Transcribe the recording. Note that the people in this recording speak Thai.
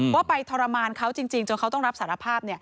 ว่าไปทรมานเขาจริงจนเขาต้องรับสารภาพ